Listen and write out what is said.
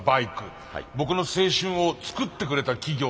僕の青春を作ってくれた企業たち。